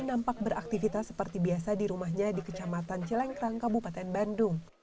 nampak beraktivitas seperti biasa di rumahnya di kecamatan cilengkrang kabupaten bandung